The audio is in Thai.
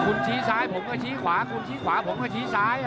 คุณชี้ซ้ายผมก็ชี้ขวาคุณชี้ขวาผมก็ชี้ซ้าย